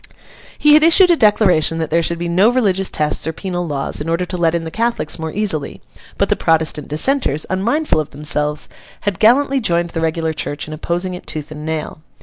He had issued a declaration that there should be no religious tests or penal laws, in order to let in the Catholics more easily; but the Protestant dissenters, unmindful of themselves, had gallantly joined the regular church in opposing it tooth and nail.